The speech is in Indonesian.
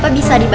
aku bisa mencoba